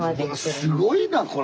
すごいなこれ！